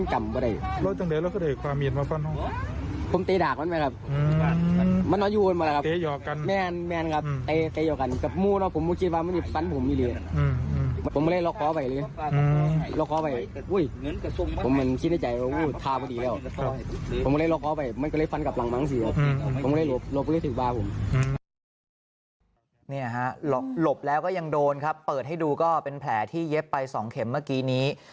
หลบแล้วก็ยังโดนครับเปิดให้ดูก็เป็นแผลที่เย็บไป๒เข็มเมื่อกี้นี้